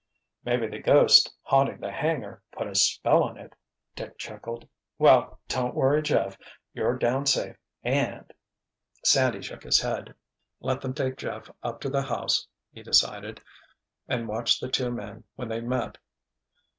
"Maybe the ghost haunting the hangar 'put a spell' on it," Dick chuckled. "Well—don't, worry, Jeff. You're down safe, and——" Sandy shook his head. Let them take Jeff up to the house, he decided, and watch the two men when they met.